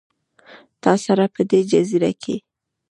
تا سره، په دې جزیره کې